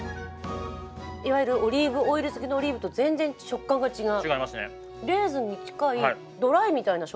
いわゆるオリーブオイル漬けのオリーブと全然食感が違う。